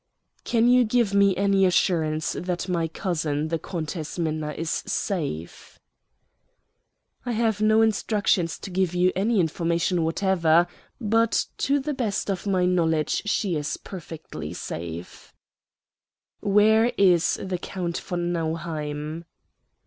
"Can you give me any assurance that my cousin, the Countess Minna, is safe?" "I have no instructions to give you any information whatever, but to the best of my knowledge she is perfectly safe." "Where is the Count von Nauheim?"